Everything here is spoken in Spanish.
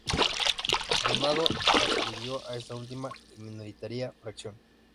Donado adscribió a esta última y minoritaria fracción.